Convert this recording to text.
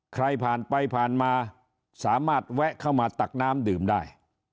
ใครผ่านไปผ่านมาสามารถแวะเข้ามาตักน้ำดื่มได้